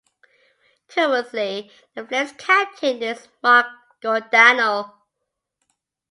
Currently, the Flames captain is Mark Giordano.